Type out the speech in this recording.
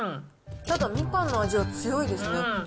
ただ、みかんの味は強いですね。